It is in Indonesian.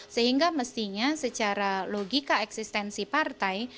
sehingga mestinya secara logika eksistensi partai